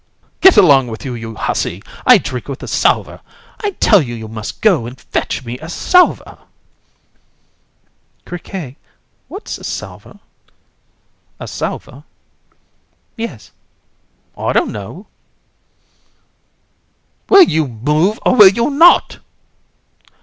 Get along with you, you hussy. I drink with a salver. I tell you that you must go and fetch me a salver. AND. Criquet, what's a salver? CRI. A salver? AND. Yes. CRI. I don't know. COUN. (to ANDRÉE). Will you move, or will you not?